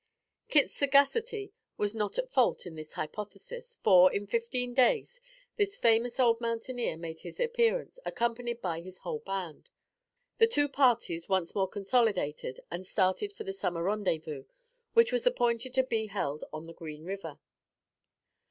Kit's sagacity was not at fault in this hypothesis; for, in fifteen days, this famous old mountaineer made his appearance accompanied by his whole band. The two parties once more consolidated and started for the summer rendezvous, which was appointed to be held on the Green River.